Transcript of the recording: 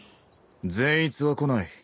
・善逸は来ない。